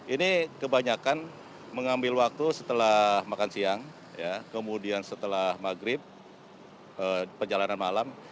ini kebanyakan mengambil waktu setelah makan siang kemudian setelah maghrib perjalanan malam